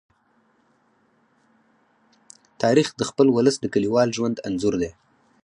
تاریخ د خپل ولس د کلیوال ژوند انځور دی.